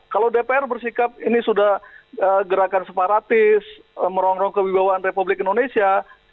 kalau dpr bersikap ini sudah gerakan separatis merongrong kewibawaan republik indonesia